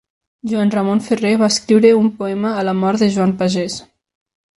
Joan Ramon Ferrer va escriure un poema a la mort de Joan Pagès.